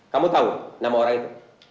kamu tahu nama orang itu